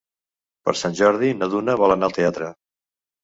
Per Sant Jordi na Duna vol anar al teatre.